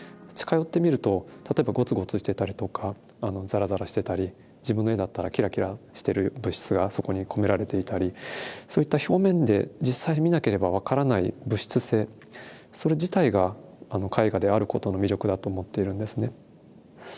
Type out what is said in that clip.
近寄って見ると例えばゴツゴツしてたりとかザラザラしてたり自分の絵だったらキラキラしてる物質がそこに込められていたりそういった表面で実際に見なければ分からない物質性それ自体が絵画であることの魅力だと思っているんですね。